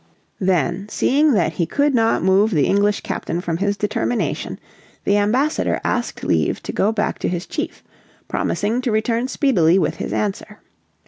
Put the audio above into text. Then, seeing that he could not move the English captain from his determination, the ambassador asked leave to go back to his chief, promising to return speedily with his answer.